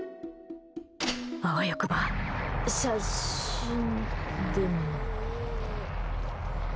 あわよくば写真でも。